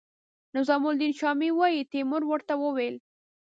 نظام الدین شامي وايي تیمور ورته وویل.